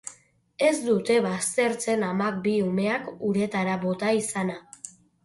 Ez dute baztertzen amak bi umeak uretara bota izana.